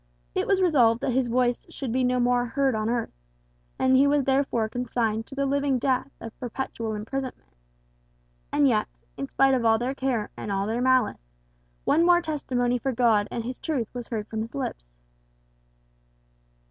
It was resolved that his voice should be heard no more on earth; and he was therefore consigned to the living death of perpetual imprisonment. And yet, in spite of all their care and all their malice, one more testimony for God and his truth was heard from his lips."